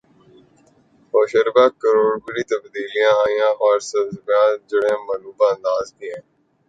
ہوشربا کڑوی تبدیلیاں عیاں اور سازباز کی جڑیں ملغوبہ انداز کی ہیں